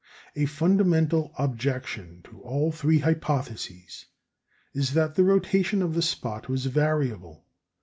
A fundamental objection to all three hypotheses is that the rotation of the spot was variable.